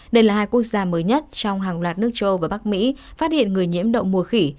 đây là hai quốc gia mới nhất trong hàng loạt nước châu và bắc mỹ phát hiện người nhiễm đậu mùa khỉ